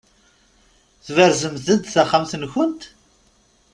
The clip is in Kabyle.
Tberzemt-d taxxamt-nkent?